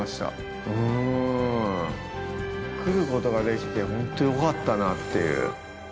来ることができて、ほんとよかったなっていう。